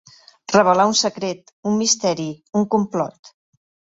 Revelar un secret, un misteri, un complot.